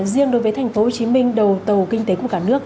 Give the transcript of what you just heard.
riêng đối với thành phố hồ chí minh đầu tàu kinh tế của cả nước